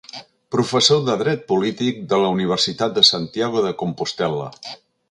Professor de Dret Polític de la Universitat de Santiago de Compostel·la.